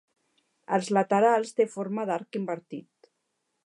Als laterals té forma d'arc invertit.